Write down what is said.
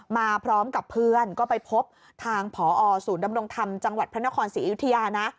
มาพร้อมกับเพื่อนก็ไปพบทางผอศูนย์ดำรงธรรมจังหวัดพระนครศรีอยุธยานะ